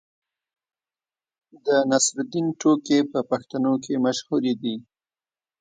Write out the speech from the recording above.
د نصرالدین ټوکې په پښتنو کې مشهورې دي.